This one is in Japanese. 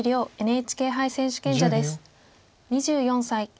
２４歳。